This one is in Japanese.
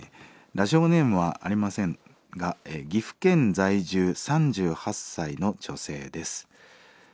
ラジオネームはありませんが岐阜県在住３８歳の女性です。